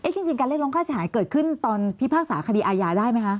จริงการเรียกร้องค่าเสียหายเกิดขึ้นตอนพิพากษาคดีอาญาได้ไหมคะ